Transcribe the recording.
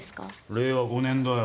令和５年だよ。